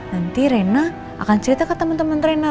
nanti rena akan cerita ke temen temen rena